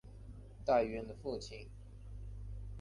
戴渊的父亲。